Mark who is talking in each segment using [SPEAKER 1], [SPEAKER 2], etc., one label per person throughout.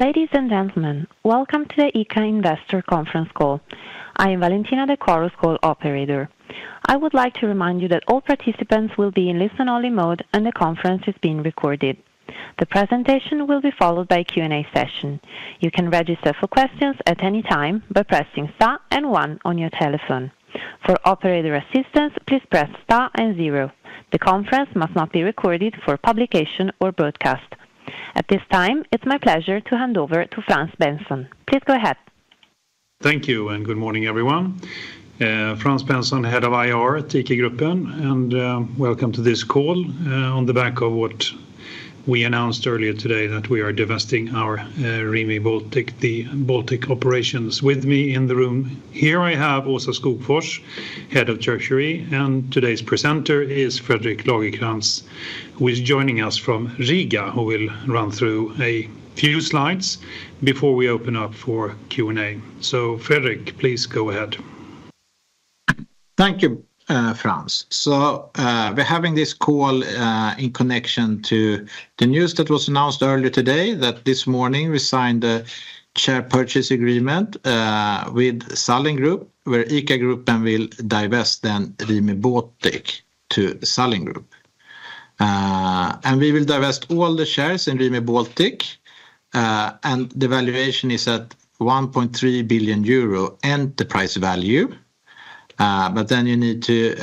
[SPEAKER 1] Ladies and gentlemen, welcome to the ICA Investor Conference Call. I am Valentina Di Coro, Call Operator. I would like to remind you that all participants will be in listen-only mode and the conference is being recorded. The presentation will be followed by a Q&A session. You can register for questions at any time by pressing Star and 1 on your telephone. For operator assistance, please press Star and 0. The conference must not be recorded for publication or broadcast. At this time, it's my pleasure to hand over to Frans Benson. Please go ahead.
[SPEAKER 2] Thank you and good morning, everyone. Frans Benson, Head of IR at ICA Gruppen, and welcome to this call on the back of what we announced earlier today, that we are divesting our Rimi Baltic operations. With me in the room here, I have Åsa Skogfors, Head of Treasury, and today's presenter is Fredrik Lagercrantz, who is joining us from Riga, who will run through a few slides before we open up for Q&A. So Fredrik, please go ahead.
[SPEAKER 3] Thank you, Frans. So we're having this call in connection to the news that was announced earlier today, that this morning we signed a share purchase agreement with Salling Group, where ICA Gruppen will divest the Rimi Baltic to Salling Group. And we will divest all the shares in Rimi Baltic, and the valuation is at 1.3 billion euro enterprise value. But then you need to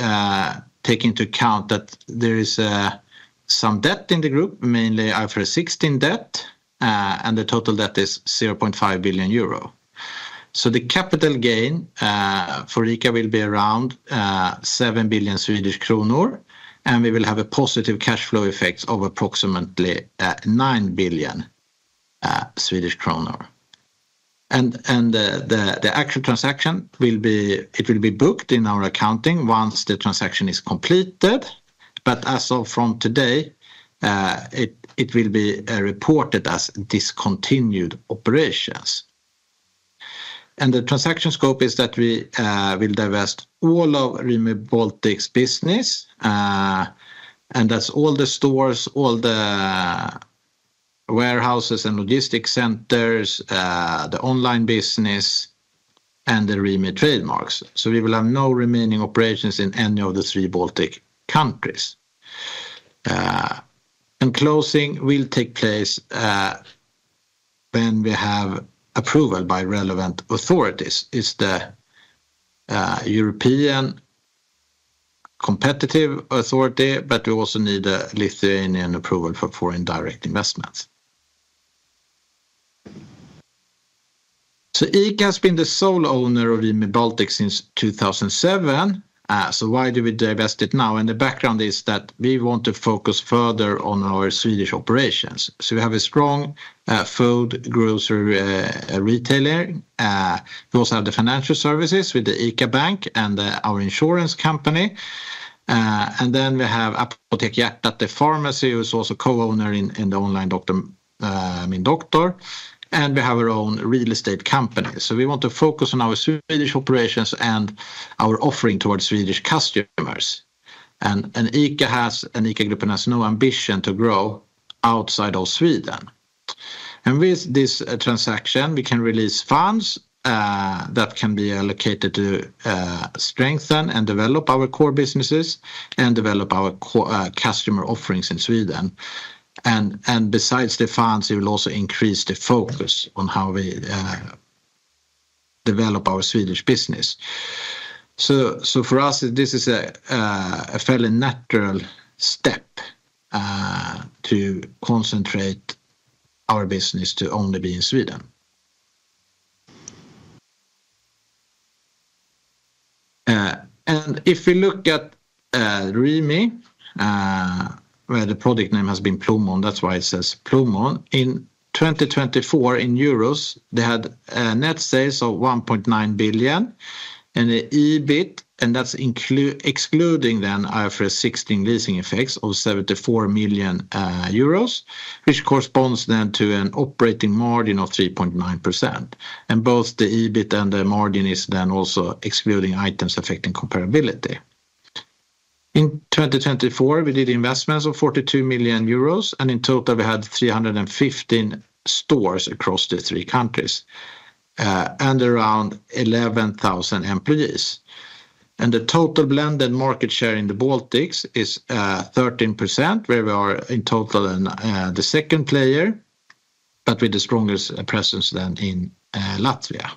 [SPEAKER 3] take into account that there is some debt in the group, mainly IFRS 16 debt, and the total debt is 0.5 billion euro. So the capital gain for ICA will be around 7 billion Swedish kronor, and we will have a positive cash flow effect of approximately 9 billion Swedish kronor. And the actual transaction will be booked in our accounting once the transaction is completed, but as of today, it will be reported as discontinued operations. And the transaction scope is that we will divest all of Rimi Baltic's business, and that's all the stores, all the warehouses and logistics centers, the online business, and the Rimi trademarks. So we will have no remaining operations in any of the three Baltic countries. And closing will take place when we have approval by relevant authorities. It's the European competitive authority, but we also need a Lithuanian approval for foreign direct investments. So ICA has been the sole owner of Rimi Baltic since 2007, so why do we divest it now? And the background is that we want to focus further on our Swedish operations. So we have a strong food, grocery retailer. We also have the financial services with the ICA Bank and our insurance company. And then we have Apotek Hjärtat pharmacy, who is also co-owner in the online doctor Min Doktor, and we have our own real estate company. So we want to focus on our Swedish operations and our offering towards Swedish customers. And ICA Gruppen has no ambition to grow outside of Sweden. And with this transaction, we can release funds that can be allocated to strengthen and develop our core businesses and develop our customer offerings in Sweden. And besides the funds, it will also increase the focus on how we develop our Swedish business. So for us, this is a fairly natural step to concentrate our business to only be in Sweden. And if we look at Rimi, where the project name has been Plommon, that's why it says Plommon. In 2024, in euros, they had net sales of 1.9 billion, and the EBIT, and that's excluding then IFRS 16 leasing effects of 74 million euros, which corresponds then to an operating margin of 3.9%. And both the EBIT and the margin is then also excluding items affecting comparability. In 2024, we did investments of 42 million euros, and in total we had 315 stores across the three countries and around 11,000 employees. And the total blended market share in the Baltics is 13%, where we are in total the second player, but with the strongest presence then in Latvia.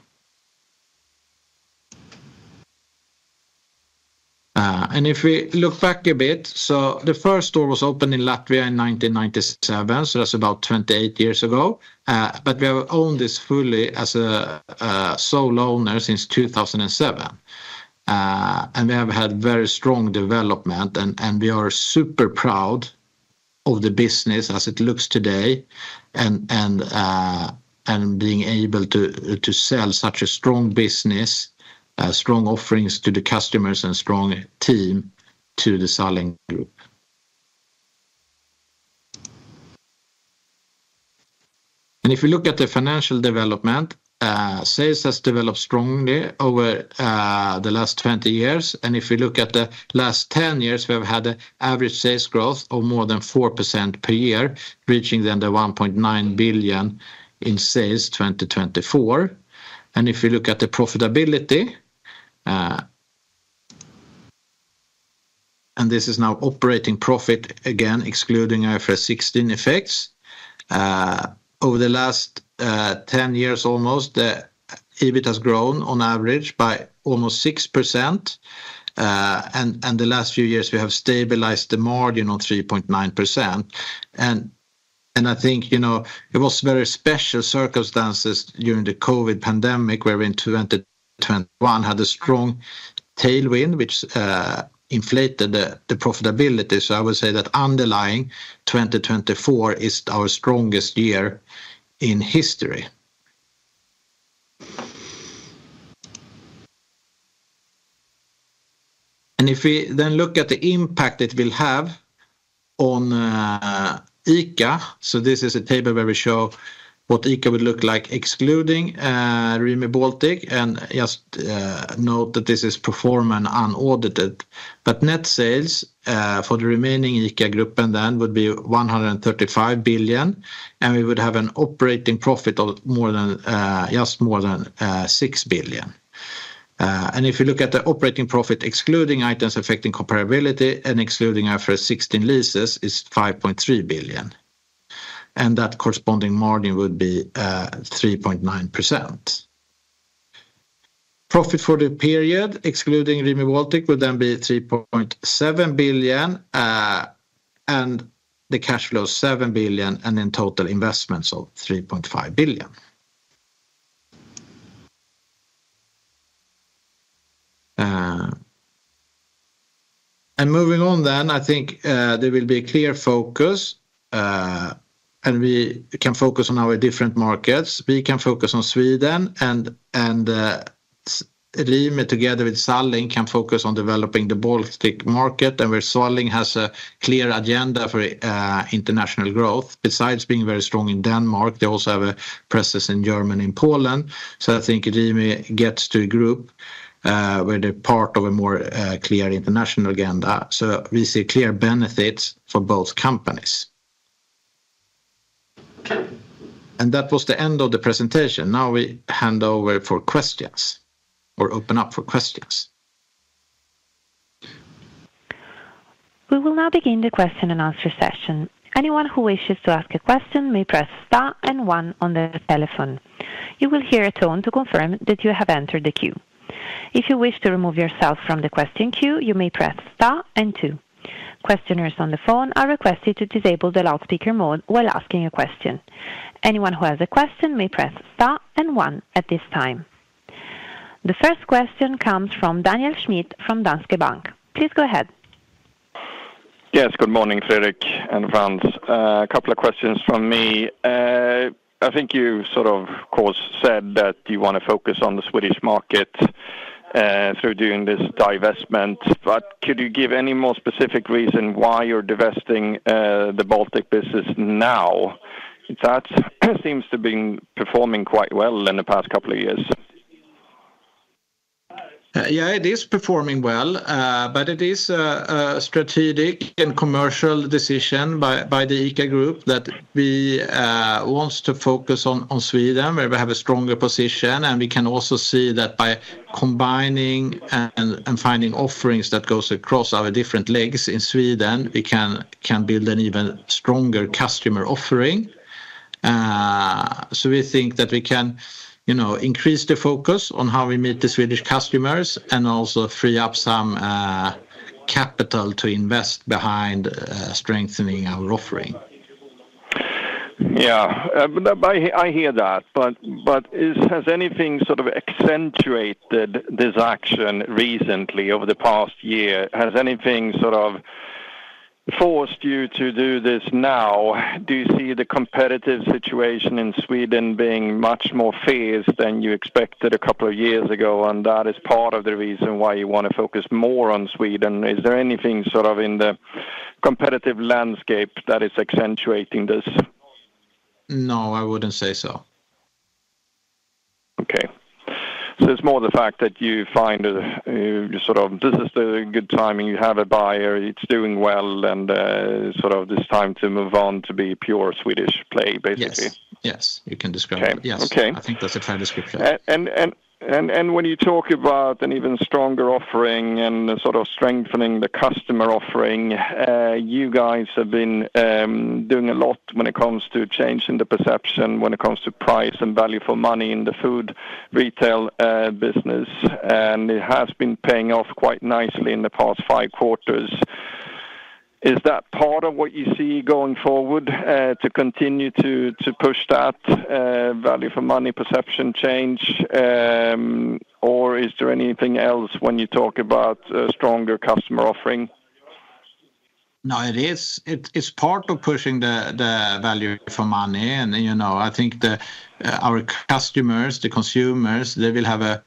[SPEAKER 3] And if we look back a bit, so the first store was opened in Latvia in 1997, so that's about 28 years ago, but we have owned this fully as a sole owner since 2007. We have had very strong development, and we are super proud of the business as it looks today and being able to sell such a strong business, strong offerings to the customers, and strong team to the Salling Group. If we look at the financial development, sales has developed strongly over the last 20 years. If we look at the last 10 years, we have had an average sales growth of more than 4% per year, reaching then the €1.9 billion in sales 2024. If we look at the profitability, and this is now operating profit again, excluding IFRS 16 effects, over the last 10 years almost, the EBIT has grown on average by almost 6%. In the last few years, we have stabilized the margin on 3.9%. I think it was very special circumstances during the COVID pandemic, where in 2021 had a strong tailwind, which inflated the profitability. So I would say that underlying 2024 is our strongest year in history. And if we then look at the impact it will have on ICA, so this is a table where we show what ICA would look like excluding Rimi Baltic, and just note that this is performance unaudited, but net sales for the remaining ICA Gruppen then would be 135 billion, and we would have an operating profit of more than 6 billion. And if you look at the operating profit excluding items affecting comparability and excluding IFRS 16 leases, it's 5.3 billion, and that corresponding margin would be 3.9%. Profit for the period excluding Rimi Baltic would then be 3.7 billion, and the cash flow 7 billion, and in total investments of 3.5 billion. Moving on then, I think there will be a clear focus, and we can focus on our different markets. We can focus on Sweden, and Rimi together with Salling can focus on developing the Baltic market, and where Salling has a clear agenda for international growth. Besides being very strong in Denmark, they also have a presence in Germany and Poland, so I think Rimi gets to a group where they're part of a more clear international agenda, so we see clear benefits for both companies. That was the end of the presentation. Now we hand over for questions or open up for questions.
[SPEAKER 1] We will now begin the question and answer session. Anyone who wishes to ask a question may press Star and 1 on their telephone. You will hear a tone to confirm that you have entered the queue. If you wish to remove yourself from the question queue, you may press Star and 2. Questioners on the phone are requested to disable the loudspeaker mode while asking a question. Anyone who has a question may press Star and 1 at this time. The first question comes from Daniel Schmidt from Danske Bank. Please go ahead.
[SPEAKER 4] Yes, good morning, Fredrik and Frans. A couple of questions from me. I think you sort of said that you want to focus on the Swedish market through doing this divestment, but could you give any more specific reason why you're divesting the Baltic business now? That seems to have been performing quite well in the past couple of years.
[SPEAKER 3] Yeah, it is performing well, but it is a strategic and commercial decision by the ICA Group that we want to focus on Sweden, where we have a stronger position, and we can also see that by combining and finding offerings that go across our different legs in Sweden, we can build an even stronger customer offering. So we think that we can increase the focus on how we meet the Swedish customers and also free up some capital to invest behind strengthening our offering.
[SPEAKER 4] Yeah, I hear that, but has anything sort of accentuated this action recently over the past year? Has anything sort of forced you to do this now? Do you see the competitive situation in Sweden being much more fierce than you expected a couple of years ago, and that is part of the reason why you want to focus more on Sweden? Is there anything sort of in the competitive landscape that is accentuating this?
[SPEAKER 3] No, I wouldn't say so.
[SPEAKER 4] Okay. So it's more the fact that you find sort of this is the good timing, you have a buyer, it's doing well, and sort of it's time to move on to be pure Swedish play, basically?
[SPEAKER 3] Yes, you can describe it. Yes, I think that's a fair description.
[SPEAKER 4] When you talk about an even stronger offering and sort of strengthening the customer offering, you guys have been doing a lot when it comes to changing the perception, when it comes to price and value for money in the food retail business, and it has been paying off quite nicely in the past five quarters. Is that part of what you see going forward to continue to push that value for money perception change, or is there anything else when you talk about a stronger customer offering?
[SPEAKER 3] No, it is. It's part of pushing the value for money, and I think our customers, the consumers, they will have an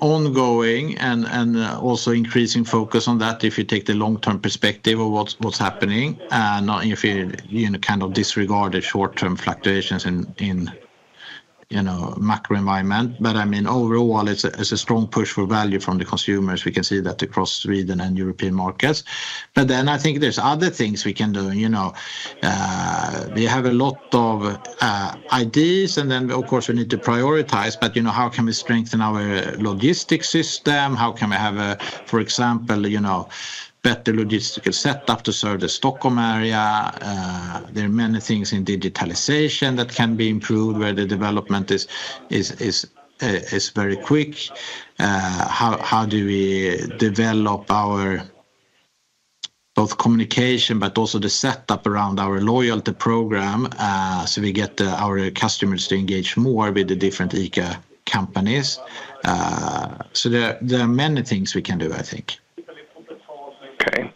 [SPEAKER 3] ongoing and also increasing focus on that if you take the long-term perspective of what's happening, not if you kind of disregard the short-term fluctuations in the macro environment. But I mean, overall, it's a strong push for value from the consumers. We can see that across Sweden and European markets. But then I think there's other things we can do. We have a lot of ideas, and then of course we need to prioritize, but how can we strengthen our logistics system? How can we have, for example, a better logistical setup to serve the Stockholm area? There are many things in digitalization that can be improved where the development is very quick. How do we develop our both communication but also the setup around our loyalty program so we get our customers to engage more with the different ICA companies? So there are many things we can do, I think.
[SPEAKER 4] Okay.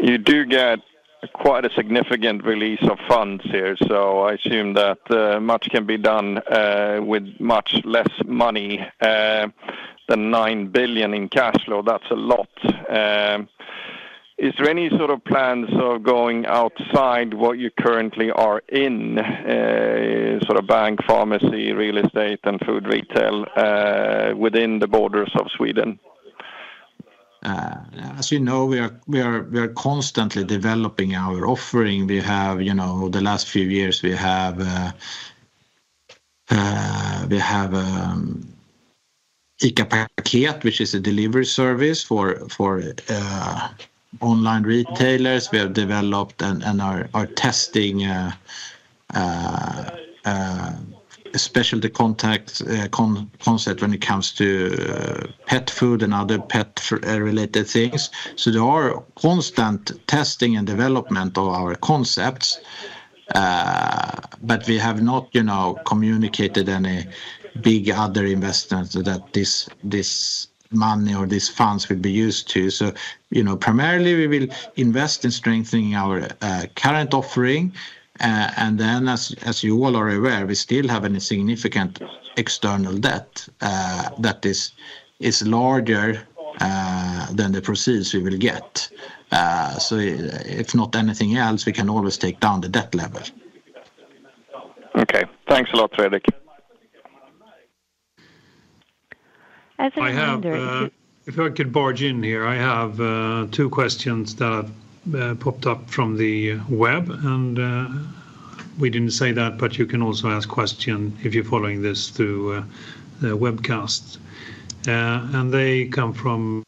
[SPEAKER 4] You do get quite a significant release of funds here, so I assume that much can be done with much less money than €9 billion in cash flow. That's a lot. Is there any sort of plans of going outside what you currently are in, sort of bank, pharmacy, real estate, and food retail within the borders of Sweden?
[SPEAKER 3] As you know, we are constantly developing our offering. The last few years, we have ICA Paket, which is a delivery service for online retailers. We have developed and are testing specialty concepts when it comes to pet food and other pet-related things. So there are constant testing and development of our concepts, but we have not communicated any big other investments that this money or these funds could be used to. So primarily, we will invest in strengthening our current offering, and then, as you all are aware, we still have a significant external debt that is larger than the proceeds we will get. So if not anything else, we can always take down the debt level.
[SPEAKER 4] Okay. Thanks a lot, Fredrik.
[SPEAKER 2] If I could barge in here, I have two questions that have popped up from the web, and we didn't say that, but you can also ask a question if you're following this through the webcast. And they come from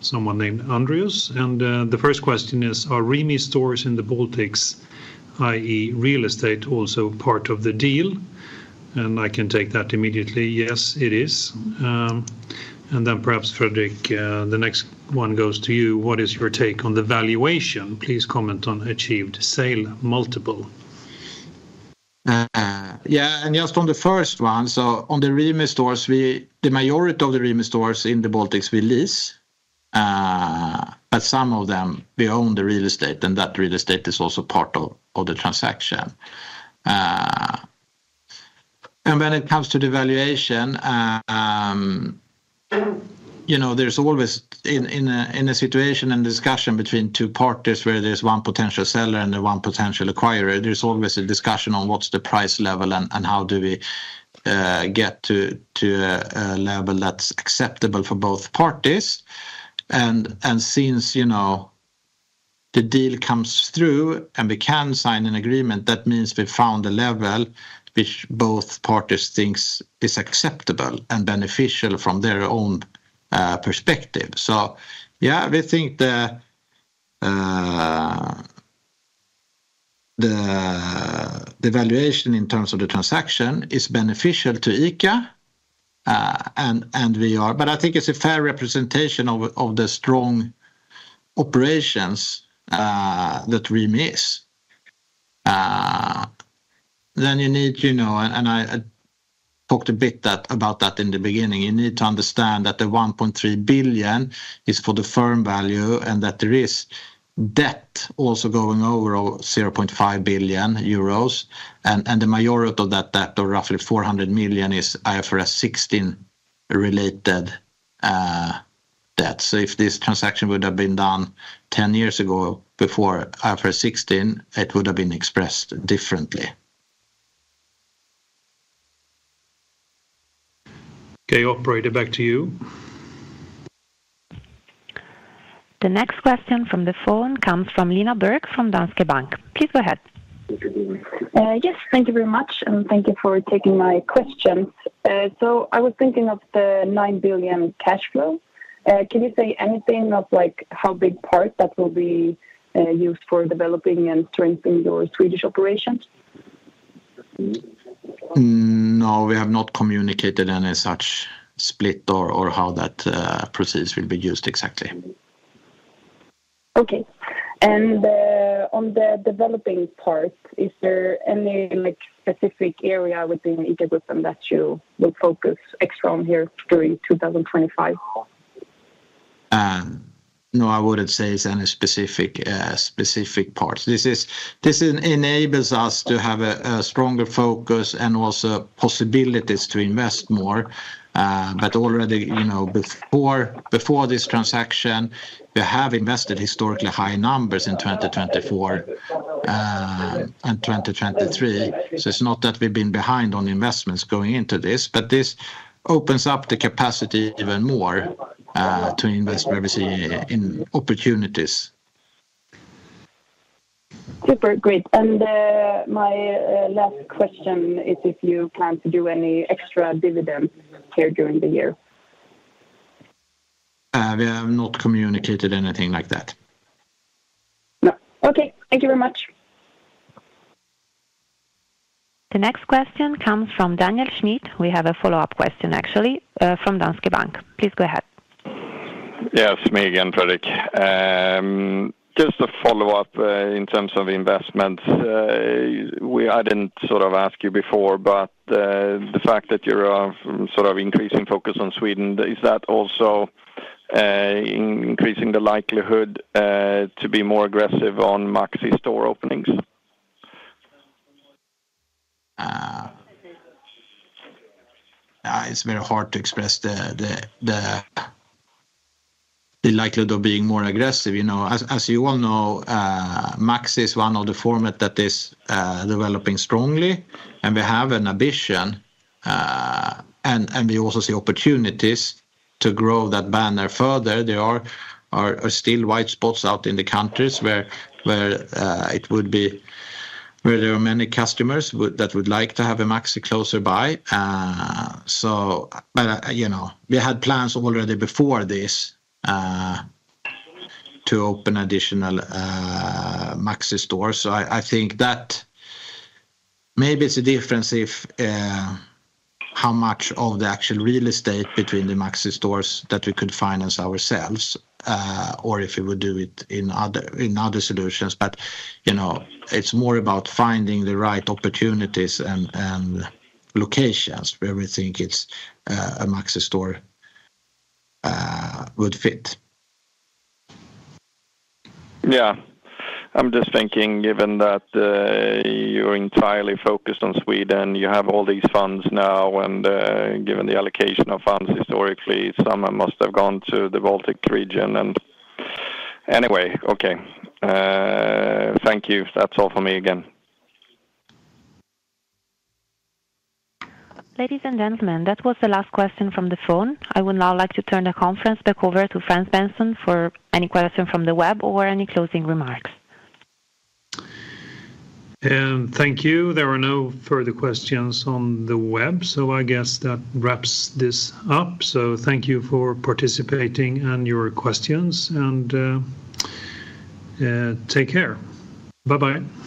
[SPEAKER 2] someone named Andreas, and the first question is, are Rimi stores in the Baltics, i.e., real estate, also part of the deal? And I can take that immediately. Yes, it is. And then perhaps, Fredrik, the next one goes to you. What is your take on the valuation? Please comment on achieved sale multiple.
[SPEAKER 3] Yeah. And just on the first one, so on the Rimi stores, the majority of the Rimi stores in the Baltics we lease, but some of them we own the real estate, and that real estate is also part of the transaction. And when it comes to the valuation, there's always in a situation and discussion between two parties where there's one potential seller and one potential acquirer, there's always a discussion on what's the price level and how do we get to a level that's acceptable for both parties. And since the deal comes through and we can sign an agreement, that means we found a level which both parties think is acceptable and beneficial from their own perspective. So yeah, we think the valuation in terms of the transaction is beneficial to ICA, and we are, but I think it's a fair representation of the strong operations that Rimi is. Then you need, and I talked a bit about that in the beginning, you need to understand that the 1.3 billion is for the firm value and that there is debt also going over 0.5 billion euros, and the majority of that debt, or roughly 400 million, is IFRS 16 related debt. So if this transaction would have been done 10 years ago before IFRS 16, it would have been expressed differently. Okay, operator, back to you.
[SPEAKER 1] The next question from the phone comes from Lina Berg from Danske Bank. Please go ahead.
[SPEAKER 5] Yes, thank you very much, and thank you for taking my questions. So I was thinking of the 9 billion cash flow. Can you say anything of how big part that will be used for developing and strengthening your Swedish operations?
[SPEAKER 3] No, we have not communicated any such split or how that proceeds will be used exactly.
[SPEAKER 5] Okay. And on the developing part, is there any specific area within ICA Gruppen that you will focus extra on here during 2025?
[SPEAKER 3] No, I wouldn't say it's any specific part. This enables us to have a stronger focus and also possibilities to invest more, but already before this transaction, we have invested historically high numbers in 2024 and 2023. So it's not that we've been behind on investments going into this, but this opens up the capacity even more to invest in opportunities.
[SPEAKER 5] Super. Great. And my last question is if you plan to do any extra dividends here during the year?
[SPEAKER 3] We have not communicated anything like that.
[SPEAKER 5] No. Okay. Thank you very much.
[SPEAKER 1] The next question comes from Daniel Schmidt. We have a follow-up question, actually, from Danske Bank. Please go ahead.
[SPEAKER 4] Yes, me again, Fredrik. Just a follow-up in terms of investments. I didn't sort of ask you before, but the fact that you're sort of increasing focus on Sweden, is that also increasing the likelihood to be more aggressive on Maxi store openings?
[SPEAKER 3] It's very hard to express the likelihood of being more aggressive. As you all know, Maxi is one of the formats that is developing strongly, and we have an ambition, and we also see opportunities to grow that banner further. There are still white spots out in the countries where there are many customers that would like to have a Maxi closer by. But we had plans already before this to open additional Maxi stores. So I think that maybe it's a difference if how much of the actual real estate between the Maxi stores that we could finance ourselves, or if we would do it in other solutions. But it's more about finding the right opportunities and locations where we think a Maxi store would fit.
[SPEAKER 4] Yeah. I'm just thinking, given that you're entirely focused on Sweden, you have all these funds now, and given the allocation of funds historically, some must have gone to the Baltic region. And anyway, okay. Thank you. That's all for me again.
[SPEAKER 1] Ladies and gentlemen, that was the last question from the phone. I would now like to turn the conference back over to Frans Benson for any questions from the web or any closing remarks.
[SPEAKER 2] Thank you. There are no further questions on the web, so I guess that wraps this up. Thank you for participating and your questions, and take care. Bye-bye.